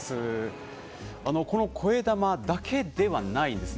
このこえだまだけではないんです。